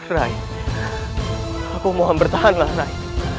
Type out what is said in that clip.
rai aku mohon bertahanlah rai